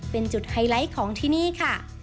เป็นจุดไฮไลท์ของที่นี่ค่ะ